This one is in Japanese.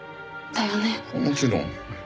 もちろん。